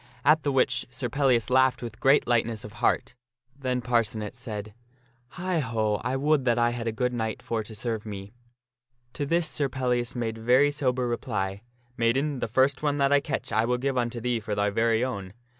At the which Sir Pellias laughed with great lightness of heart. Then Par cenet said, " Heigh ho ! I would that I had a good knight for to serve me." To this Sir Pellias made very sober reply, " Maiden, the first one that I catch I will give unto thee for thy very own.